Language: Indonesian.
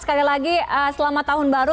sekali lagi selamat tahun baru